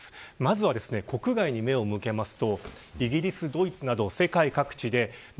まずは、国外に目を向けると。